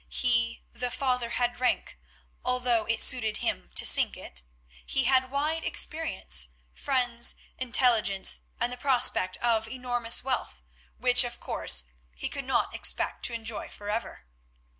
He, the father, had rank, although it suited him to sink it; he had wide experience, friends, intelligence, and the prospect of enormous wealth, which, of course, he could not expect to enjoy for ever.